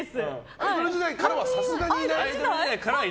アイドル時代からはさすがに？